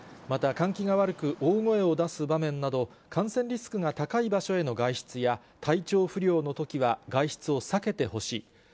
また、換気が悪く、大声を出す場面など、感染リスクが高い場所への外出や、体調不良のときは外出を避けてほしい。